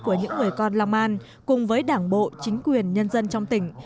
của những người con long an cùng với đảng bộ chính quyền nhân dân trong tỉnh